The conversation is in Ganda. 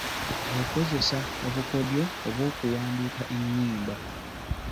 Bw'okozesa “Obukodyo” obw'okuwandiika ennyimba.